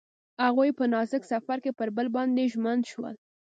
هغوی په نازک سفر کې پر بل باندې ژمن شول.